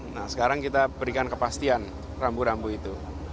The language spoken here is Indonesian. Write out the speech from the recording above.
nah sekarang kita berikan kepastian rambu rambu itu